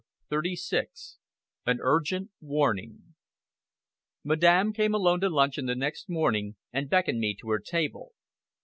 CHAPTER XXXVI AN URGENT WARNING Madame came alone to luncheon the next morning, and beckoned me to her table.